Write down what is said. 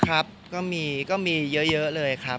ครับก็มีเยอะเลยครับ